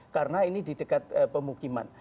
karena ini di dekat pemukiman